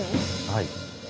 はい。